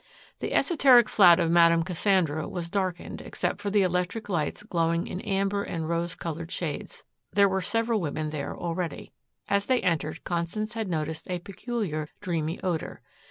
The esoteric flat of Madame Cassandra was darkened except for the electric lights glowing in amber and rose colored shades. There were several women there already. As they entered Constance had noticed a peculiar, dreamy odor.